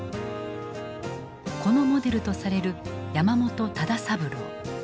このモデルとされる山本唯三郎。